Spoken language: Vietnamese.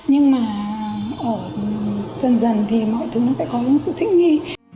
nhưng mà ở dần dần thì mọi thứ nó sẽ có những sự thích nghi